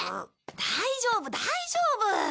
大丈夫大丈夫。